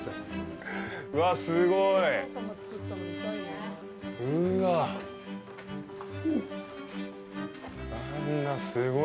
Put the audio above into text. うわあ、すごい。